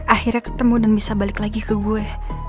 akhirnya ketemu dan bisa balik lagi ke gue